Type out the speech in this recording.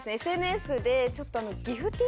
ＳＮＳでちょっと。